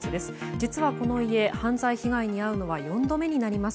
実はこの家、犯罪被害に遭うのは４度目になります。